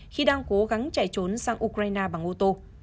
khi đang cố gắng chạy trốn sang ukraine bằng ô tô